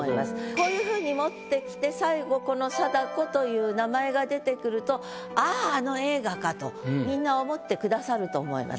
こういうふうに持ってきて最後この「貞子」という名前が出てくるとあああの映画かとみんな思ってくださると思います。